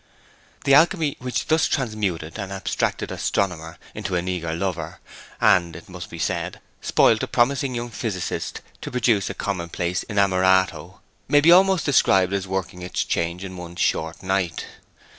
The alchemy which thus transmuted an abstracted astronomer into an eager lover and, must it be said, spoilt a promising young physicist to produce a common place inamorato may be almost described as working its change in one short night.